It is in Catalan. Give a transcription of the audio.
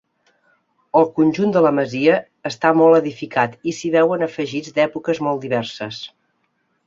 El conjunt de la masia està molt edificat i s'hi veuen afegits d'èpoques molt diverses.